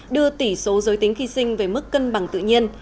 đưa tỷ số giới tính khi sinh về mức cân bằng tự nhiên